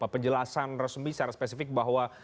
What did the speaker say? penjelasan resmi secara spesifik bahwa